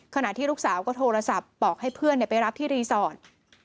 ขณะที่ลูกสาวก็โทรศัพท์บอกให้เพื่อนไปรับที่รีสอร์ท